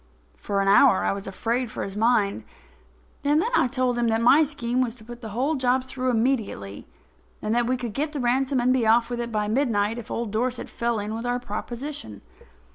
For an hour I was afraid for his mind. And then I told him that my scheme was to put the whole job through immediately and that we would get the ransom and be off with it by midnight if old Dorset fell in with our proposition.